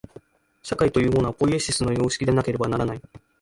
社会というのは、ポイエシスの様式でなければならない。